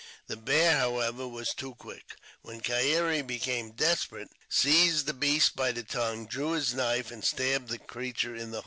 The bear, however, was too quick, when Keyere, becoming desperate, seized the beast by the tongue, drew his knife, and stabbed the creature to the heart